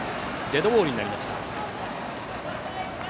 デッドボールになりました。